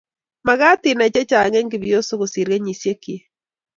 magat inai chechang eng chepyoso kosir kenyishek chiik